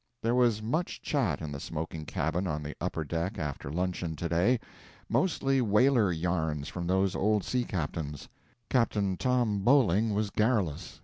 There was much chat in the smoking cabin on the upper deck after luncheon to day, mostly whaler yarns from those old sea captains. Captain Tom Bowling was garrulous.